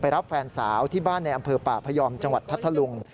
รับแฟนสาวที่บ้านในอำเภอป่าพยอมจังหวัดพัทธลุง